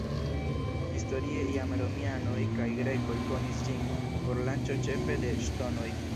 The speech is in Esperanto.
Historie jam romianoj kaj grekoj konis ĝin por lanĉo ĉefe de ŝtonoj.